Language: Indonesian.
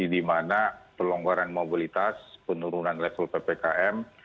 dimana pelonggaran mobilitas penurunan level ppkm